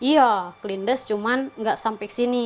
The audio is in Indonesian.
iya kelindes cuma nggak sampai ke sini